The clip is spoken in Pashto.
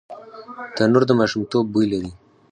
تنور د ماشومتوب بوی لري